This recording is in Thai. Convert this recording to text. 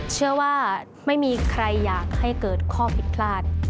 เชื่อว่าไม่มีใครอยากให้เกิดข้อผิดพลาด